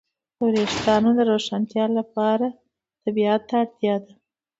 د وېښتیانو د روښانتیا لپاره طبيعت ته اړتیا ده.